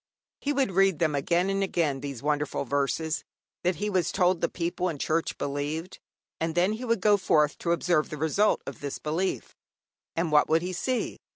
He would read them again and again, these wonderful verses, that he was told the people and Church believed, and then he would go forth to observe the result of this belief. And what would he see?